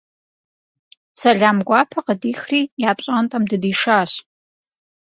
Сэлам гуапэ къыдихри я пщӏантӏэм дыдишащ.